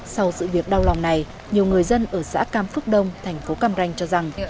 sau sự việc đau lòng này nhiều người dân ở xã cam phước đông thành phố cam ranh cho rằng